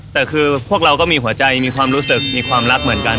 แต่คือพวกเราก็มีหัวใจมีความรู้สึกมีความรักเหมือนกัน